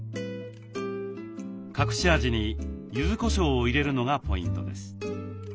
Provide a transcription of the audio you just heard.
隠し味にゆずこしょうを入れるのがポイントです。